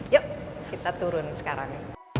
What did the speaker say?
yuk kita turun sekarang